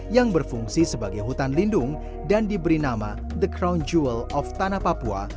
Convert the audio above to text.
yang berfungsi sebagai hutan lindung dan diberi nama the crowtual of tanah papua